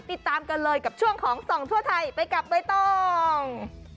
ติดตามกันเลยกับช่วงของส่องทั่วไทยไปกับใบตอง